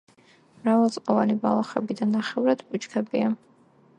მრავალწლოვანი ბალახები და ნახევრად ბუჩქებია.